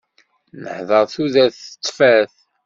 Neḥder tudert tettfat.